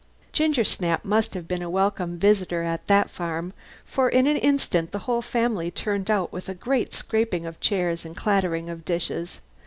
Gingersnap must have been a welcome visitor at that farm, for in an instant the whole family turned out with a great scraping of chairs and clatter of dishes.